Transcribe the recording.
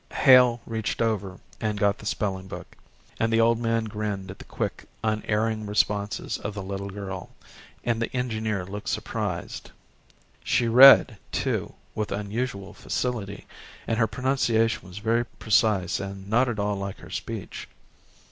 Hale reached over and got the spelling book, and the old man grinned at the quick, unerring responses of the little girl, and the engineer looked surprised. She read, too, with unusual facility, and her pronunciation was very precise and not at all like her speech.